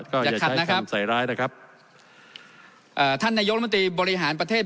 ก็อย่าขัดนะครับใส่ร้ายนะครับอ่าท่านนายกรมนตรีบริหารประเทศ